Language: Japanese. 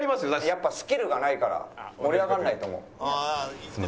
やっぱスキルがないから盛り上がんないと思う。